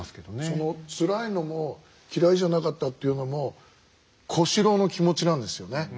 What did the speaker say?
そのつらいのも嫌いじゃなかったというのも小四郎の気持ちなんですよね。